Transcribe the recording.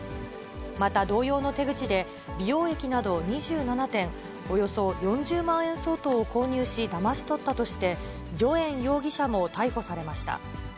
また同様の手口で、美容液など２７点、およそ４０万円相当を購入し、だまし取ったとして、徐燕容疑者も逮捕されました。